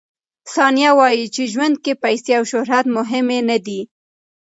ثانیه وايي، ژوند کې پیسې او شهرت مهم نه دي.